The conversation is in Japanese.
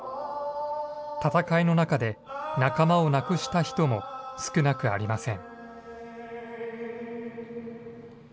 戦いの中で、仲間を亡くした人も少なくありません。